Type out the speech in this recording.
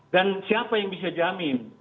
dan siapa yang bisa jamin